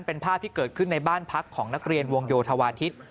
เป็นภาพที่เกิดขึ้นในบ้านพักของนักเรียนวงโยธวาทิศ